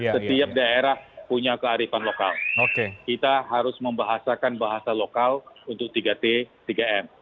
setiap daerah punya kearifan lokal kita harus membahasakan bahasa lokal untuk tiga t tiga m